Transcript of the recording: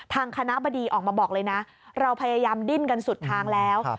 ทางคณะบดีออกมาบอกเลยนะเราพยายามดิ้นกันสุดทางแล้ว